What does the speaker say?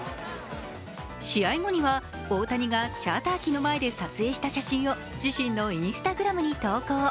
試合後には大谷がチャーター機の前で撮影した写真を自身のＩｎｓｔａｇｒａｍに投稿。